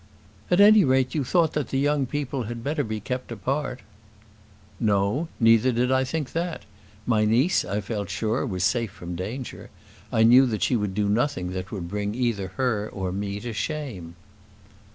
"At any rate, you thought that the young people had better be kept apart." "No; neither did I think that: my niece, I felt sure, was safe from danger. I knew that she would do nothing that would bring either her or me to shame."